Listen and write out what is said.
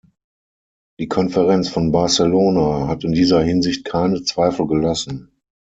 Die Konferenz von Barcelona hat in dieser Hinsicht keine Zweifel gelassen.